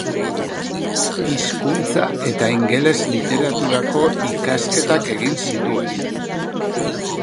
Hizkuntza eta ingeles-literaturako ikasketak egin zituen.